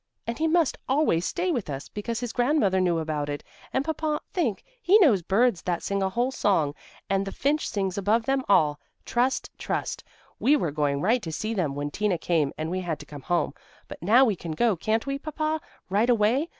And he must always stay with us, because his grandmother knew about it, and, Papa, think, he knows birds that sing a whole song, and the finch sings above them all: 'Trust! Trust!' We were going right to see them when Tina came and we had to come home. But now we can go, can't we, Papa, right away?